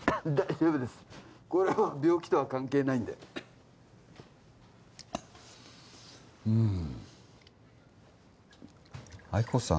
これは病気とは関係ないんでうん亜希子さん